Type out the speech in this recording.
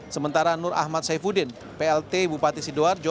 sementara nur ahmad saifuddin plt bupati sidoarjo